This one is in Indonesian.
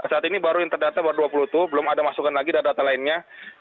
saat ini baru interdata baru dua puluh dua belum ada masukan lagi dari data lainnya